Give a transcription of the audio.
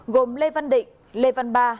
gồm lê văn định lê văn ba